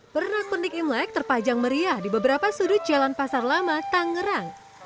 pernak pernik imlek terpajang meriah di beberapa sudut jalan pasar lama tangerang